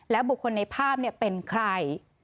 บุคคลในภาพเป็นใคร